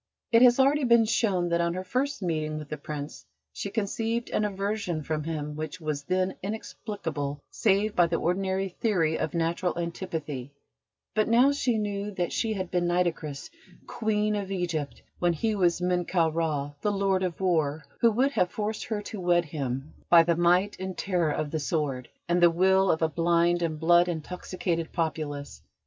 It has already been shown that on her first meeting with the Prince she conceived an aversion from him which was then inexplicable save by the ordinary theory of natural antipathy: but now she knew that she had been Nitocris, Queen of Egypt, when he was Menkau Ra, the Lord of War, who would have forced her to wed him by the might and terror of the sword, and the will of a blind and blood intoxicated populace.